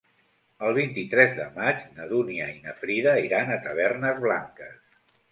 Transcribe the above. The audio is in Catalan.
El vint-i-tres de maig na Dúnia i na Frida iran a Tavernes Blanques.